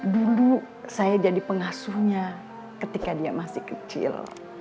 dulu saya jadi pengasuhnya ketika dia masih kecil